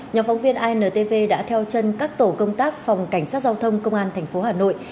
nhóm phóng viên intv đã theo chân các tổ công tác phòng cảnh sát giao thông công an tp hà nội